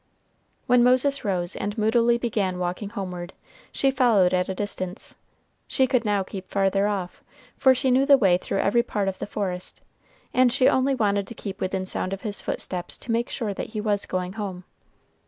When Moses rose and moodily began walking homeward, she followed at a distance. She could now keep farther off, for she knew the way through every part of the forest, and she only wanted to keep within sound of his footsteps to make sure that he was going home.